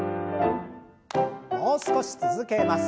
もう少し続けます。